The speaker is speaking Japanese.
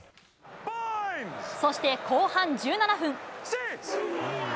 そして後半１７分。